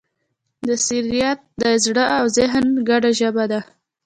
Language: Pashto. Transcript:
بصیرت د زړه او ذهن ګډه ژبه ده.